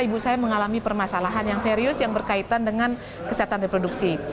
ibu saya mengalami permasalahan yang serius yang berkaitan dengan kesehatan reproduksi